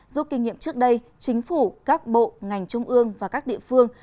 giúp kinh nghiệm trước đây chính phủ các bộ ngành trung ương và các địa phương